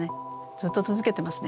ずっと続けてますね。